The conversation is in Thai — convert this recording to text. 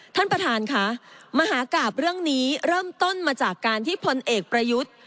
ท่านประธานค่ะมหากราบเรื่องนี้เริ่มต้นมาจากการที่พลเอกประยุทธ์